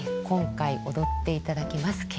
今回踊っていただきます